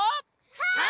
はい！